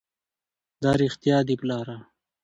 دا رښتيا دي پلاره!